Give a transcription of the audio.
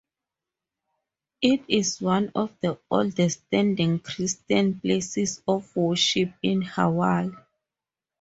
It is one of the oldest standing Christian places of worship in Hawaii.